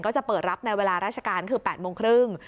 จะเปิดรับในเวลาราชการคือ๘โมงครึ่ง